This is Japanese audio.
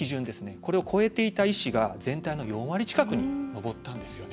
これを超えていた医師が全体の４割近くに上ったんですよね。